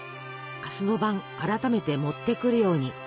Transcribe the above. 明日の晩改めて持ってくるように」。